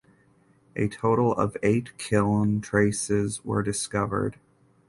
A total of eight kiln traces were discovered.